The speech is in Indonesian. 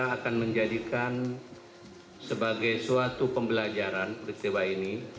kita akan menjadikan sebagai suatu pembelajaran peristiwa ini